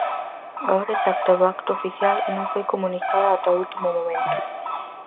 A hora exacta do acto oficial non foi comunicada ata o último momento.